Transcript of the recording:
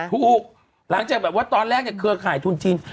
ถูกหลังจากแบบว่าตอนแรกเนี่ยเครือข่ายทุนจีน